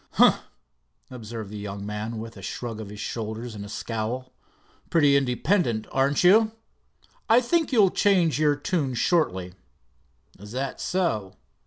"Humph!" observed the young man, with a shrug of his shoulders and a scowl. "Pretty independent, aren't you? I think you'll change your tune shortly." "Is that so?"